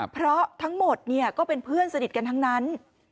เพราะทั้งหมดก็เป็นเพื่อนสนิทกันทั้งนั้น